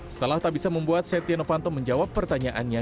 setelah tak bisa membuat setiano fanto menjawab pertanyaannya